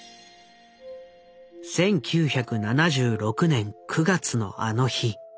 １９７６年９月のあの日。